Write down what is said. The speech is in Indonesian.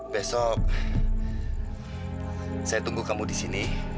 besok saya tunggu kamu di sini